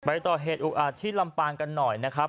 ต่อเหตุอุกอาจที่ลำปางกันหน่อยนะครับ